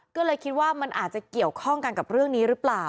ก็เลยคิดว่ามันอาจจะเกี่ยวข้องกันกับเรื่องนี้หรือเปล่า